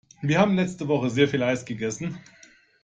Wir haben letzte Woche sehr viel Eis gegessen.